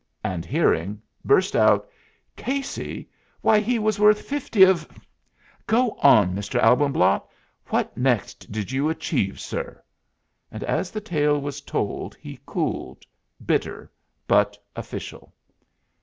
And hearing, burst out: "Casey! Why, he was worth fifty of Go on, Mr. Albumblatt. What next did you achieve, sir?" And as the tale was told he cooled, bitter, but official.